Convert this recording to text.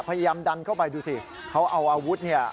พยายามดันเข้าไปดูสิเขาเอาอาวุธเนี่ย